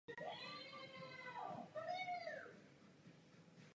Byl také šéfredaktorem časopisu Data Security Management.